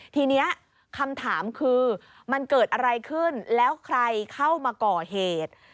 ทีนี้คำถามคือมันเกิดอะไรขึ้นแล้วใครเข้ามาก่อเหตุ